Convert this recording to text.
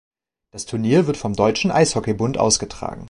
Das Turnier wird vom Deutschen Eishockey-Bund ausgetragen.